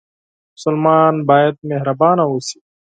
مسلمان باید مهربانه اوسي